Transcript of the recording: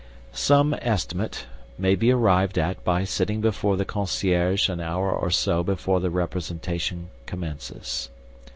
"Some estimate ... may be arrived at by sitting before the concierge an hour or so before the representation commences.